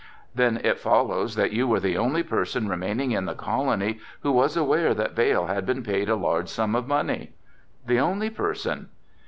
"Then it follows that you were the only person remaining in the colony who was aware that Vail had been paid a large sum of money?" "The only person."